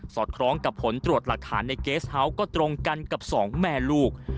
อดคล้องกับผลตรวจหลักฐานในเกสเฮาส์ก็ตรงกันกับสองแม่ลูก